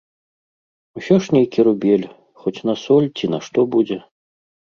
Усё ж нейкі рубель, хоць на соль ці на што будзе.